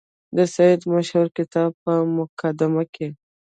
د سید مشهور کتاب په مقدمه کې.